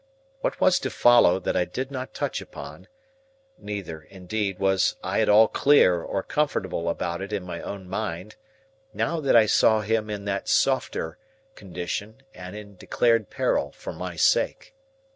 What was to follow that I did not touch upon; neither, indeed, was I at all clear or comfortable about it in my own mind, now that I saw him in that softer condition, and in declared peril for my sake.